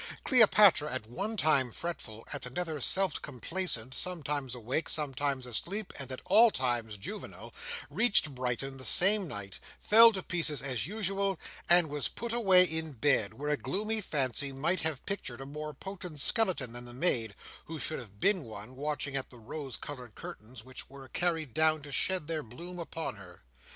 Cleopatra, at one time fretful, at another self complacent, sometimes awake, sometimes asleep, and at all times juvenile, reached Brighton the same night, fell to pieces as usual, and was put away in bed; where a gloomy fancy might have pictured a more potent skeleton than the maid, who should have been one, watching at the rose coloured curtains, which were carried down to shed their bloom upon her.